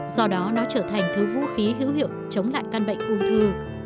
do đó nó trở thành thứ vũ khí hữu hiệu chống lại căn bệnh ung thư